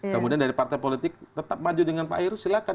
kemudian dari partai politik tetap maju dengan pak heru silakan